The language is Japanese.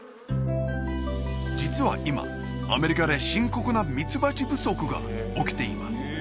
実は今アメリカで深刻なミツバチ不足が起きています